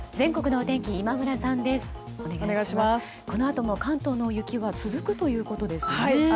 このあとも関東の雪は続くということですね。